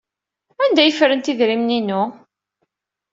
Anda ay ffrent idrimen-inu?